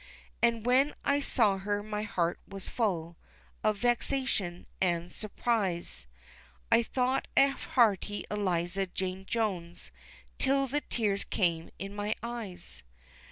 An' when I saw her, my heart was full Of vexation an' surprise, I thought of hearty Eliza Jane Jones Till the tears came in my eyes.